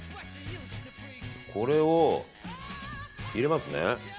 これを入れますね。